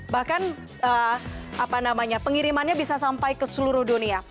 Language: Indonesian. bahkan pengirimannya bisa sampai ke seluruh dunia